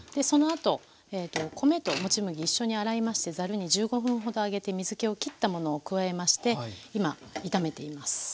そのあと米ともち麦一緒に洗いましてざるに１５分ほどあげて水けを切ったものを加えまして今炒めています。